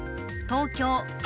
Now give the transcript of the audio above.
東京○